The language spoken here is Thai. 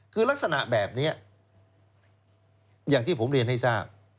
คือลักษณะแบบนี้อย่างที่ผมเรียนให้ทราบ